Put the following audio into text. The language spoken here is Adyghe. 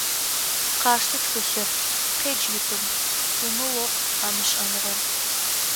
Къаштэ тхылъыр, къедж итым, тумы охъу а мышӏэныгъэр.